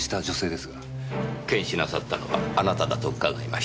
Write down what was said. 検視なさったのがあなただと伺いました。